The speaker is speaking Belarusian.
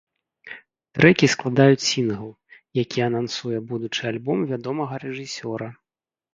Трэкі складаюць сінгл, які анансуе будучы альбом вядомага рэжысёра.